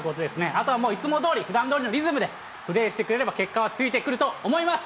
あとはもう、いつもどおり、ふだんどおりのリズムでプレーしてくれれば、結果はついてくると思います。